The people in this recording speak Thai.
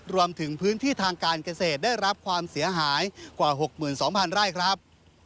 รวมถึงพื้นที่ทางการเกษตรได้รับความเสียหายกว่า๖๒๐๐ไร่ครับ